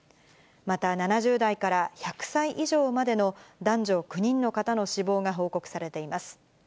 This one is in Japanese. また、７０代から１００歳以上までの男女９人の方の死亡が報告されています。